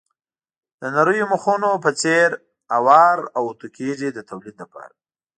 د نریو مخونو په څېر اوار او اتو کېږي د تولید لپاره.